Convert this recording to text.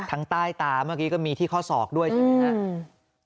ทั้งใต้ตามเมื่อกี้ก็มีที่ข้อศอกด้วยใช่ไหมฮะ